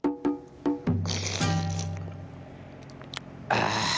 「ああ。